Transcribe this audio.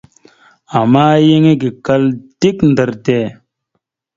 Ama yan ege akal dik ndar tte.